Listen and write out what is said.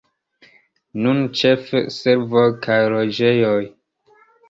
Nune ĉefe servoj kaj loĝejoj.